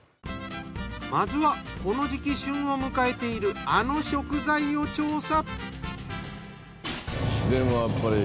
まずはこの時期旬を迎えているあの食材を調査。